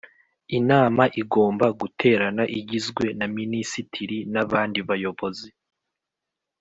inama igomba guterana igizwe na minisitiri n abandi bayobozi